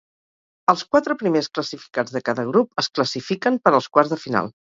Els quatre primers classificats de cada grup es classifiquen per als quarts de final.